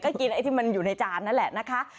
ก็กินไอ้ที่มันอยู่ในจานนั่นแหละนะคะ